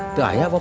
itu aja pak